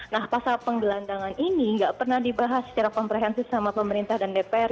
nah pasal penggelandangan ini nggak pernah dibahas secara komprehensif sama pemerintah dan dpr